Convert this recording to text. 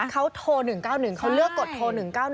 เขาโทร๑๙๑เขาเลือกกดโทร๑๙๑